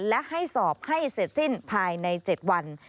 และให้สอบให้เสร็จสิ้นภายใน๗วัน